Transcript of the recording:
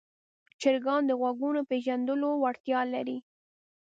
چرګان د غږونو پېژندلو وړتیا لري.